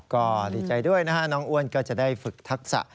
ก็ดีใจด้วยนะฮะน้องอ้วนก็จะได้ฝึกทักษะ